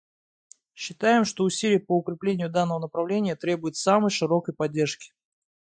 Считаем, что усилия по укреплению данного направления требуют самой широкой поддержки.